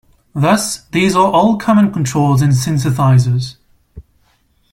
Thus these are all common controls on synthesizers.